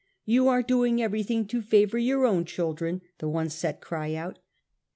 * You are doing everything to favour your own chil dren,' the one set cry out.